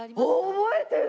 覚えてる！